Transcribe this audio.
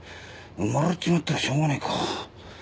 生まれちまったらしょうがねえか。